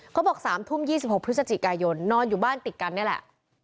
เขาบอก๓ทุ่ม๒๖พกนอนอยู่บ้านติดกันเนี่ยแหละ